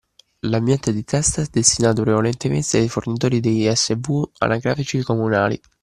L’ambiente di test è destinato prevalentemente ai fornitori dei SW anagrafici comunali